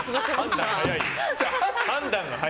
判断が早い。